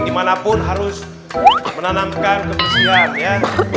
dimana pun harus menanamkan kebersihan ya